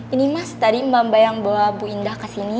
ini mas tadi mba mba yang bawa bu indah kesini